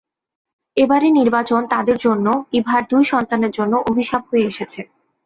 এবারের নির্বাচন তাঁদের জন্য, ইভার দুই সন্তানের জন্য অভিশাপ হয়ে এসেছে।